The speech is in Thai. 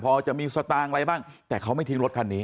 พอจะมีสตางค์อะไรบ้างแต่เขาไม่ทิ้งรถคันนี้